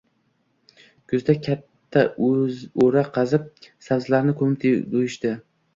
Kuzda katta oʻra qazib, sabzilarni koʻmib qoʻyishdi.